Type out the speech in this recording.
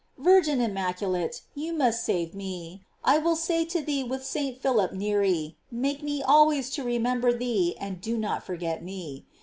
Virgin immaculate, you must save me; I will say to thee with St. Philip Neri, make me always to remember thee and do not forget me.